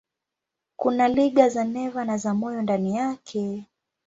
Kuna liga za neva na za moyo ndani yake.